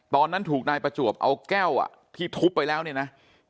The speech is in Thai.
ตอนนั้นถูกนายประจวบเอาแก้วที่ทุบไปแล้วเนี่ยนะ